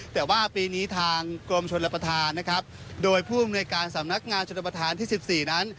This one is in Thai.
แต่ว่าปีนี้ทางกรมชนรับประทานนะครับโดยผู้อำนวยการสำนักงานชนประธานที่สิบสี่นั้น